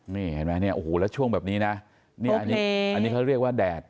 นี่เห็นไหมเนี่ยโอ้โหแล้วช่วงแบบนี้นะนี่อันนี้เขาเรียกว่าแดด